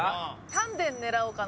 丹田狙おうかな。